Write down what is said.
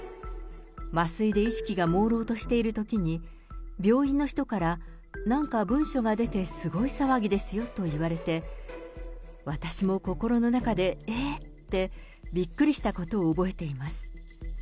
麻酔で意識がもうろうとしているときに、病院の人から、なんか文書が出てすごい騒ぎですよと言われて、私も心の中で、えーってびっくりしたことを覚えています。